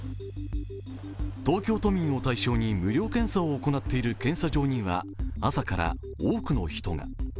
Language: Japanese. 東京都民を対象に無料検査を行っている検査場には朝から多くの人が。